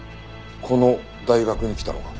この大学に来たのか？